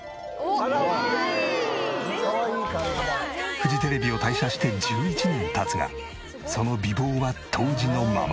フジテレビを退社して１１年経つがその美貌は当時のまま。